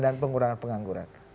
dan pengurangan pengangguran